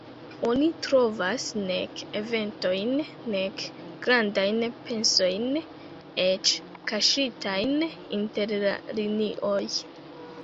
Oni trovas nek eventojn, nek grandajn pensojn, eĉ kaŝitajn inter la linioj.